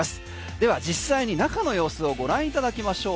では実際に中の様子をご覧いただきましょう。